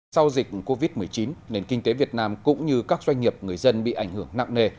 sau dịch covid một mươi chín nền kinh tế việt nam cũng như các doanh nghiệp người dân bị ảnh hưởng nặng nề